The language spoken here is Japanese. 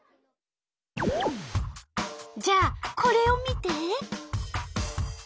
じゃあこれを見て！